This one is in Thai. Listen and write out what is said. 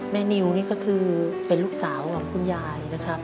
นิวนี่ก็คือเป็นลูกสาวของคุณยายนะครับ